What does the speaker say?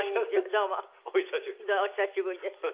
どうもお久しぶりです。